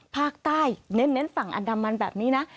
ภาคใต้เน้นฝั่งอันดามันแบบนี้นะ